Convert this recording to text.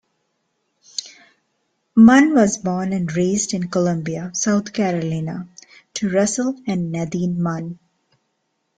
Munn was born and raised in Columbia, South Carolina, to Russell and Nadine Munn.